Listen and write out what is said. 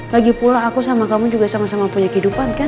lagi pula aku sama kamu juga sama sama punya kehidupan kan